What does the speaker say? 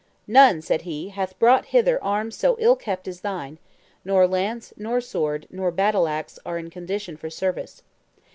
"None," said he, "hath brought hither arms so ill kept as thine; nor lance, nor sword, nor battle axe are in condition for service."